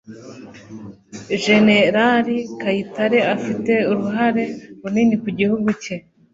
Jenerari kayitare Afite uruhare runini ku gihugu cye.